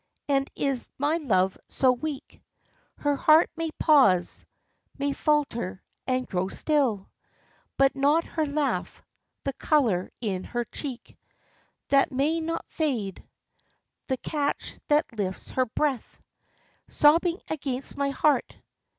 And is my love so weak? Her heart may pause, may falter and grow still, But not her laugh, the color in her cheek That may not fade; the catch that lifts her breath, Sobbing against my heart.